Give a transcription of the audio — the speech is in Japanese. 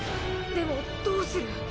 でもどうする？